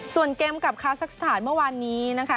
ส่วนเกมกับคาซักสถานเมื่อวานนี้นะคะ